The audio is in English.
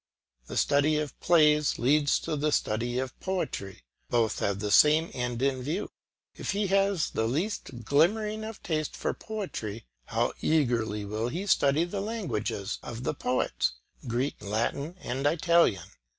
The study of plays leads to the study of poetry; both have the same end in view. If he has the least glimmering of taste for poetry, how eagerly will he study the languages of the poets, Greek, Latin, and Italian!